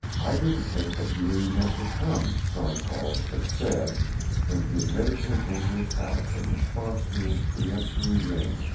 "I didn't think that you really meant to come," Frans Hals had said when he admitted him into his house in response to his peremptory ring.